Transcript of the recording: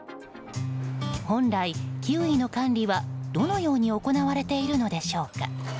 本来、キウイの管理はどのように行われているのでしょうか。